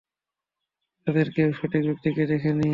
তাদের কেউই সঠিক ব্যক্তিকে দেখেনি।